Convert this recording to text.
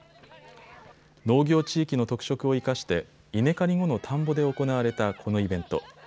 農業地域の特色を生かして稲刈り後の田んぼで行われたこのイベント。